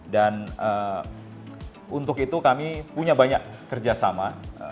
dan untuk itu kami punya banyak kerjasama